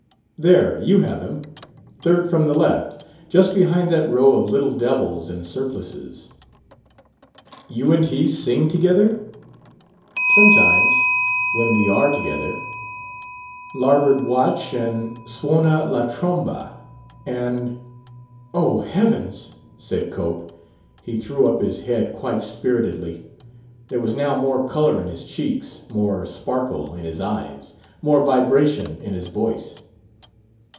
There you have him, third from the left, just behind that row of little devils in surplices." "You and he sing together?" "Sometimes when we are together." "'Larboard Watch' and 'Suona la Tromba' and ?" "Oh, heavens!" said Cope. He threw up his head quite spiritedly. There was now more color in his cheeks, more sparkle in his eyes, more vibration in his voice.